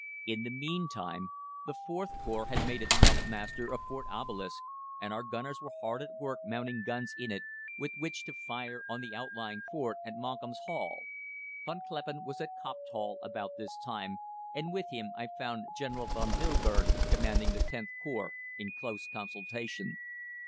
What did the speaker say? In the meantime the IVth Corps had made itself master of Fort Obelisk, and our gunners were hard at work mounting guns in it with which to fire on the outlying fort at Monkham's Hall. Von Kleppen was at Copped Hall about this time, and with him I found General Von Wilberg, commanding the Xth Corps, in close consultation.